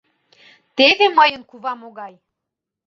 Теве мыйын кува могай!